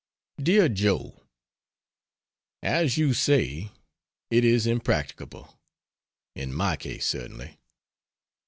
DEAR JOE, As you say, it is impracticable in my case, certainly.